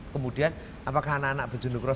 kemudian apakah anak anak berjenduk roh